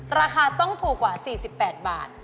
ราคาต้องถูกกว่า๔๘บาท